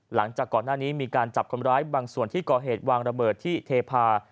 หลังจากก่อนหน้านี้มีการจับคนร้ายบางส่วนที่ก่อเหตุวางระเบิดที่เทพา